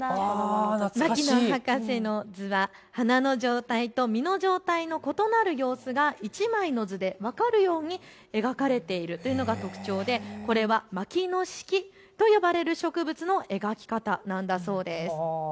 牧野博士の図は花の状態と実の状態の異なる様子が１枚の図で分かるように描かれているというのが特徴でこれは牧野式と呼ばれる植物の描き方なんだそうです。